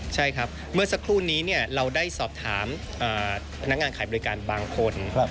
ใช่ครับเมื่อสักครู่นี้เราได้สอบถามพนักงานขายบริการบางคน